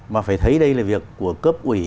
mà phải thấy đây là việc của cấp ủy